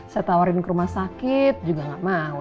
saya tawarin ke rumah sakit juga nggak mau